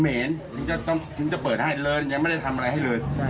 มันจะเปิดให้เลินยังไม่ได้ทำอะไรให้เลิน